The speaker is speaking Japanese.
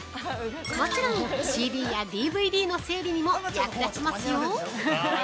もちろんＣＤやＤＶＤの整理にも役立ちますよ。